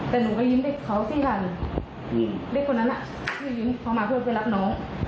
แต่ลุงก็ยิ้มเด็กเขา๔๐๐๐เล็กคนนั้นน่ะยิ้มเขามาเพื่อไปรับน้อง